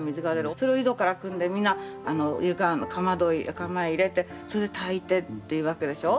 それを井戸からくんでみんなかまど釜へ入れてそれで炊いてっていうわけでしょう。